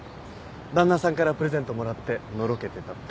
旦那さんからプレゼントもらってのろけてたって。